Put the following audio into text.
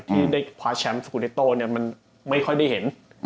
ที่ได้คว้าแชมป์สกูเดโต้มันไม่ค่อยได้เห็น